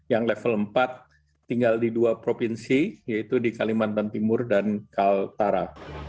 yang level empat tinggal di dua provinsi yaitu di kalimantan timur dan kaltara